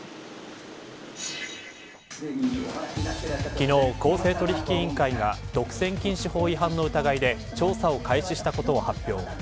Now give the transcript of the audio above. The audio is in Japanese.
昨日、公正取引委員会か独占禁止法違反の疑いで調査を開始したことを発表。